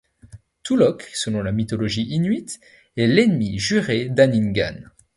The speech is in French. Tulok, selon la mythologie inuite, est l'ennemi juré d'Aningan.